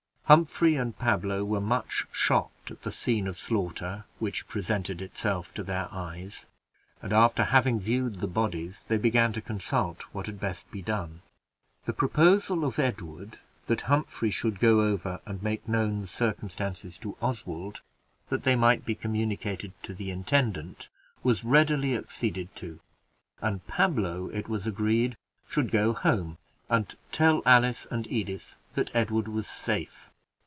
Humphrey and Pablo were much shocked at the scene of slaughter which presented itself to their eyes; and, after having viewed the bodies, they began to consult what had best be done. The proposal of Edward, that Humphrey should go over and make known the circumstances to Oswald, that they might be communicated to the intendant, was readily acceded to; and Pablo, it was agreed, should go home and tell Alice and Edith that Edward was safe.